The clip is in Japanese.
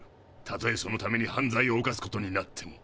たとえそのために犯罪をおかすことになっても。